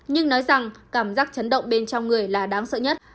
nhưng nói rằng cảm giác chấn động bên trong người là đáng sợ nhất